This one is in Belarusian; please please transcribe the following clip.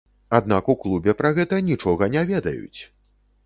Аднак у клубе пра гэта нічога не ведаюць!